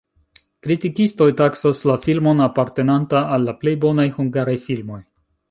Kritikistoj taksas la filmon apartenanta al la plej bonaj hungaraj filmoj.